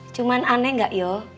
cuman aneh gak ya